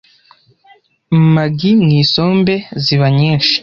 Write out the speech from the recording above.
maggi mu isombe ziba nyinshi